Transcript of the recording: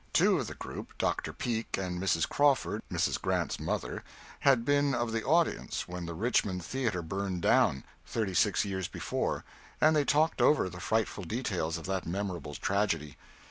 Two of the group Dr. Peake and Mrs. Crawford, Mrs. Grant's mother had been of the audience when the Richmond theatre burned down, thirty six years before, and they talked over the frightful details of that memorable tragedy.